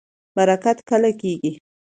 برکت کله کیږي؟